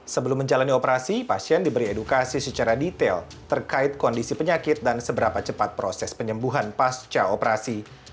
sebelum menjalani operasi pasien diberi edukasi secara detail terkait kondisi penyakit dan seberapa cepat proses penyembuhan pasca operasi